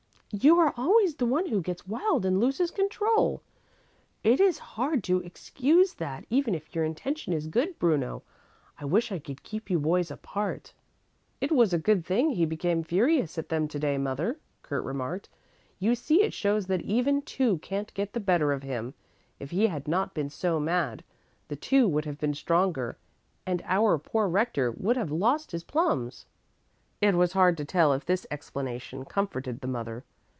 "You are always the one who gets wild and loses control. It is hard to excuse that, even if your intention is good, Bruno. I wish I could keep you boys apart." "It was a good thing he became furious at them to day, mother," Kurt remarked. "You see it shows that even two can't get the better of him. If he had not been so mad, the two would have been stronger, and our poor Rector would have lost his plums." It was hard to tell if this explanation comforted the mother.